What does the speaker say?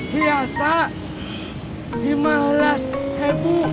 biasa lima belas hebu